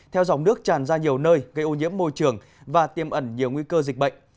theo dòng nước tràn ra nhiều nơi gây ô nhiễm môi trường và tiêm ẩn nhiều nguy cơ dịch bệnh